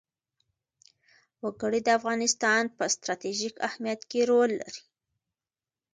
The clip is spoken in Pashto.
وګړي د افغانستان په ستراتیژیک اهمیت کې رول لري.